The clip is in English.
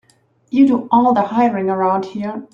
You do all the hiring around here.